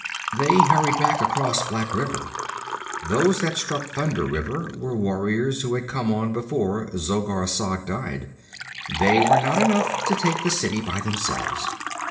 They hurried back across Black River. Those that struck Thunder River were warriors who had come on before Zogar Sag died. They were not enough to take the city by themselves.